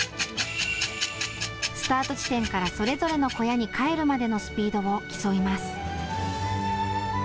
スタート地点からそれぞれの小屋に帰るまでのスピードを競います。